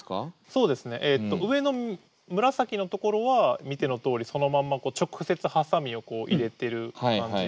そうですね上の紫の所は見てのとおりそのまんま直接はさみを入れてる感じ。